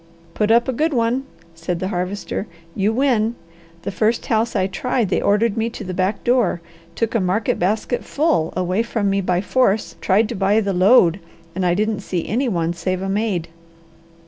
"Put up a good one!" said the Harvester. "You win. The first house I tried they ordered me to the back door, took a market basket full away from me by force, tried to buy the load, and I didn't see any one save a maid."